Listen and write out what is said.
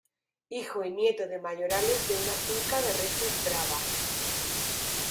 Hijo y nieto de mayorales de una finca de reses bravas.